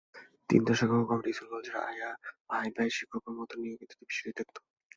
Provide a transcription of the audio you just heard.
তিন দশক আগেও কমিটি স্কুল-কলেজের আয়-ব্যয়, শিক্ষক-কর্মচারী নিয়োগ ইত্যাদি বিষয়াদিই দেখত।